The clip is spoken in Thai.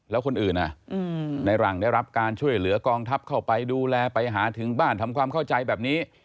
แล้วคนอื่นในหลังได้รับการช่วยเหลือกองทัพเข้าไปดูแลไปหาถึงบ้านทำความเข้าใจแบบนี้